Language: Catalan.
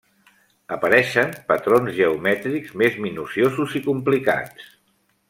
Apareixen patrons geomètrics més minuciosos i complicats.